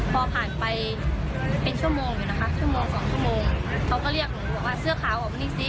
พอผ่านไปเป็นชั่วโมงอยู่นะคะชั่วโมงสองชั่วโมงเขาก็เรียกหนูบอกว่าเสื้อขาวออกมานี่สิ